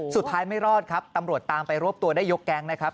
ไม่รอดครับตำรวจตามไปรวบตัวได้ยกแก๊งนะครับ